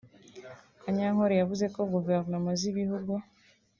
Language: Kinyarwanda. Kanyankole yavuze ko Guverinoma z’ibihugu